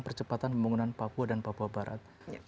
percepatan pembangunan papua dan papua barat